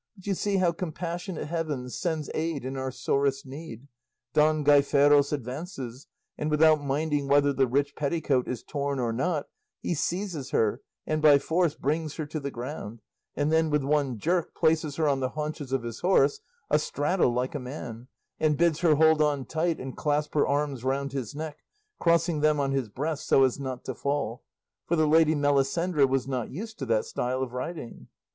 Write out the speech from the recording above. But you see how compassionate heaven sends aid in our sorest need; Don Gaiferos advances, and without minding whether the rich petticoat is torn or not, he seizes her and by force brings her to the ground, and then with one jerk places her on the haunches of his horse, astraddle like a man, and bids her hold on tight and clasp her arms round his neck, crossing them on his breast so as not to fall, for the lady Melisendra was not used to that style of riding.